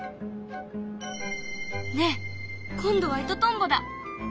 ねえ今度はイトトンボだ。